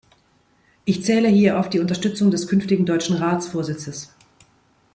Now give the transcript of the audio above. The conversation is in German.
Ich zähle hier auf die Unterstützung des künftigen deutschen Ratsvorsitzes.